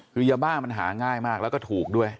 คือยาบ้ามันหาง่ายมากแล้วก็ถูกด้วย